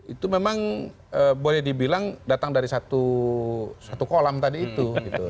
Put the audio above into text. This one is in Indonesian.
itu memang boleh dibilang datang dari satu kolam tadi itu